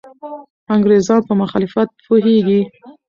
انګریزان په مخالفت پوهېږي.